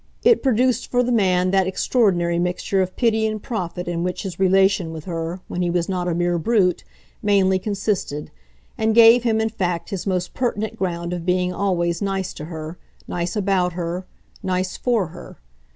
It produced for the man that extraordinary mixture of pity and profit in which his relation with her, when he was not a mere brute, mainly consisted; and gave him in fact his most pertinent ground of being always nice to her, nice about her, nice FOR her.